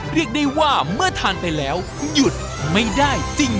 เรียกได้ว่าเมื่อทานไปแล้วหยุดไม่ได้จริง